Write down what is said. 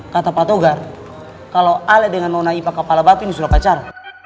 kata patogar kalau ale dengan nona ipa kepala batu ini sudah pacar